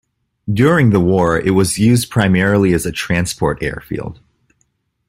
During the war it was used primarily as a transport airfield.